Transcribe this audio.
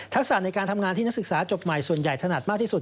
ศาสตร์ในการทำงานที่นักศึกษาจบใหม่ส่วนใหญ่ถนัดมากที่สุด